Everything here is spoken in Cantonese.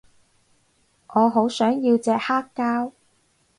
我好想要隻黑膠